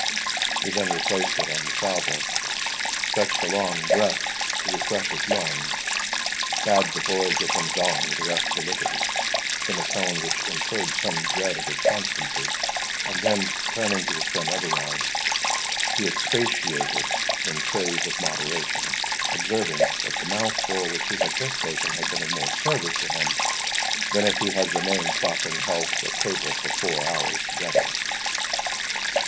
He then replaced it on the salver, fetched a long breath to refresh his lungs, bade the boy get him gone with the rest of the liquors, in a tone which inferred some dread of his constancy, and then, turning to his friend Everard, he expatiated in praise of moderation, observing, that the mouthful which he had just taken had been of more service to him than if he had remained quaffing healths at table for four hours together.